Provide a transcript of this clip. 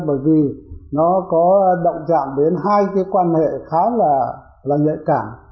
bởi vì nó có động chạm đến hai cái quan hệ khá là nhạy cảm